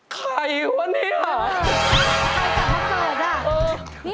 ใครวะนี่หรอ